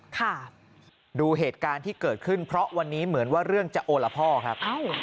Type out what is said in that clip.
ค่ะดูเหตุการณ์ที่เกิดขึ้นเพราะวันนี้เหมือนว่าเรื่องจะโอละพ่อครับ